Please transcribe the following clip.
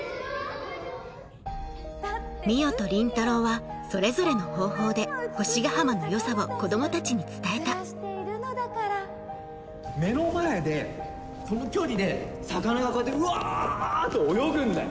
海音と倫太郎はそれぞれの方法で星ヶ浜の良さを子供たちに伝えた目の前でこの距離で魚がこうやってうわって泳ぐんだよ？